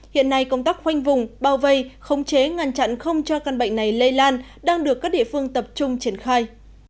hiện nay công tác khoanh vùng bao vây khống chế ngăn chặn không cho căn bệnh này lây lan đang được các địa phương tập trung triển khai